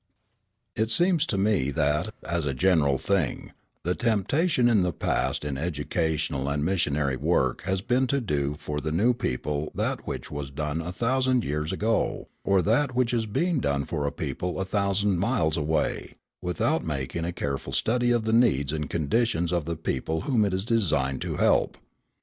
It seems to me that, as a general thing, the temptation in the past in educational and missionary work has been to do for the new people that which was done a thousand years ago, or that which is being done for a people a thousand miles away, without making a careful study of the needs and conditions of the people whom it is designed to help.